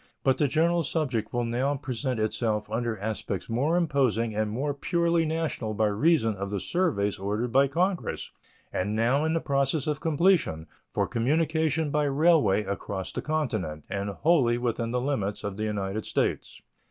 But the general subject will now present itself under aspects more imposing and more purely national by reason of the surveys ordered by Congress, and now in the process of completion, for communication by railway across the continent, and wholly within the limits of the United States.